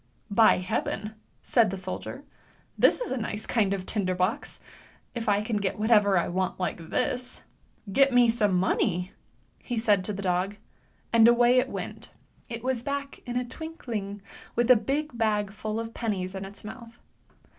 "" By heaven! " said the soldier, " this is a nice kind of tinder box, if I can get whatever I want like this ! Get me some money," he said to the dog, and away it went. It was back in a twinkling with a big bag full of pennies in its mouth.